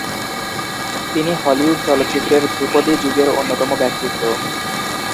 তিনি হলিউড চলচ্চিত্রের ধ্রুপদী যুগের অন্যতম ব্যক্তিত্ব।